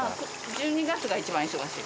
１２月が一番忙しい。